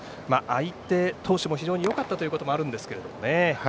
相手投手も非常によかったということもあるんですけど